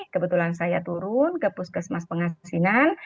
kebetulan saya turun ke puskesmas pengasinan